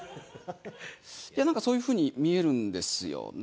いやなんかそういう風に見えるんですよね。